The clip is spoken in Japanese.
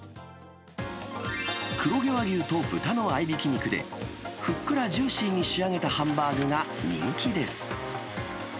黒毛和牛と豚の合いびき肉で、ふっくらジューシーに仕上げたハンバーグが人気です。